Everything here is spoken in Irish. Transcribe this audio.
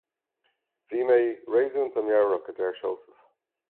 Bhí mé réasúnta meabhrach, a deir Seosamh.